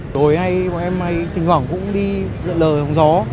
hồi hôm nay bọn em hay thỉnh thoảng cũng đi lợn lờ trong gió